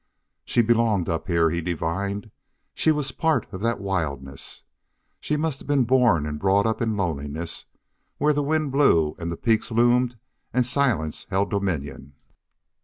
She belonged up here, he divined. She was a part of that wildness. She must have been born and brought up in loneliness, where the wind blew and the peaks loomed and silence held dominion.